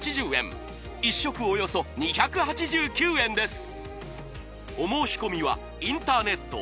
およそ２８９円です